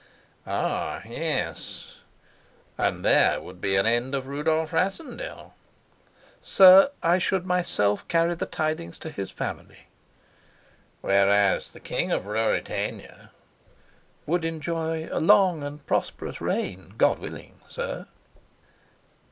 "Ah, yes. And there would be an end of Rudolf Rassendyll?" "Sir, I should myself carry the tidings to his family." "Whereas the King of Ruritania " "Would enjoy a long and prosperous reign, God willing, sir."